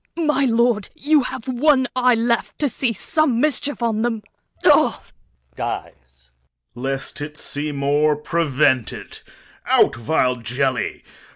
My lord, you have one eye left To see some mischief on him. O! He dies. Corn. Lest it see more, prevent it. Out, vile jelly!